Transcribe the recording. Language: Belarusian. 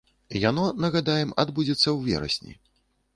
Яно, нагадаем, адбудзецца ў верасні.